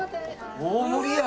大盛りや！